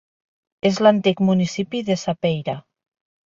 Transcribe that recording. És a l'antic municipi de Sapeira.